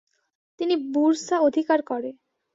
তিনি বুরসা অধিকার করে।